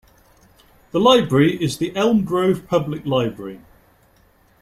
The library is the Elm Grove Public Library.